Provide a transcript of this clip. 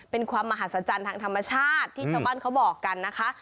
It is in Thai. เป็นความมหัศจรรย์ทางธรรมชาติที่ชาวบ้านเขาบอกกันนะคะ